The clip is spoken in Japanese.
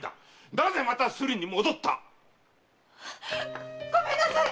なぜまたスリに戻った⁉ごめんなさい！